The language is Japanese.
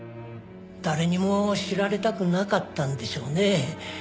誰にも知られたくなかったんでしょうね。